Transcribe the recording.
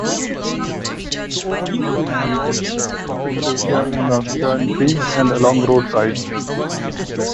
The grass occurs throughout tropical Asia and Africa in fields and along roadsides.